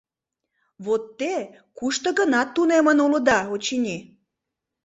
Вот те кушто-гынат тунемын улыда, очыни.